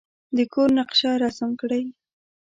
د کور نقشه رسم کړئ.